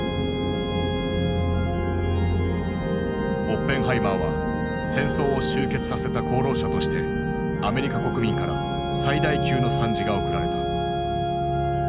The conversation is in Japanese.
オッペンハイマーは戦争を終結させた功労者としてアメリカ国民から最大級の賛辞が贈られた。